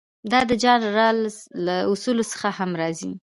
دا د جان رالز له اصولو څخه هم راځي.